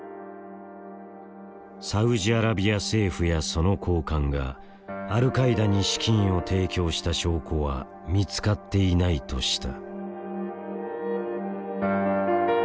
サウジアラビア政府やその高官がアルカイダに資金を提供した証拠は見つかっていないとした。